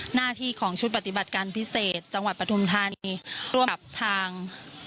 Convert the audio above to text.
หน้าที่ของชุดปฏิบัติการพิเศษจังหวัดปฐุมธานีร่วมกับทาง